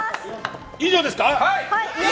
以上ですか？